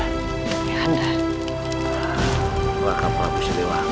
tidak ada apa apa siliwangi